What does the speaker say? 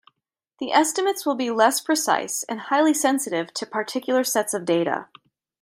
The estimates will be less precise and highly sensitive to particular sets of data.